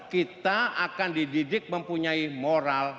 kita akan dididik mempunyai moral